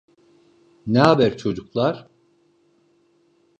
N'aber çocuklar?